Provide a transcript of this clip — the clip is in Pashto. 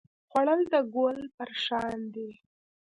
خوړل د ګل پر شان دی